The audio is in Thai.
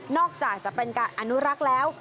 อกจากจะเป็นการอนุรักษ์แล้ว